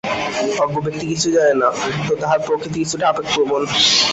অজ্ঞ ব্যক্তি কিছুই জানে না, কিন্তু তাহার প্রকৃতি কিছুটা আবেগপ্রবণ।